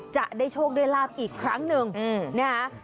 จะได้โชคได้ลาบอีกครั้งหนึ่งนะฮะ